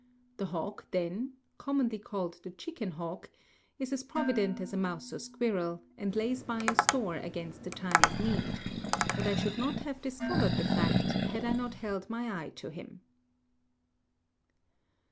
The hawk then commonly called the chicken hawk is as provident as a mouse or squirrel, and lays by a store against a time of need; but I should not have discovered the fact had I not held my eye to him.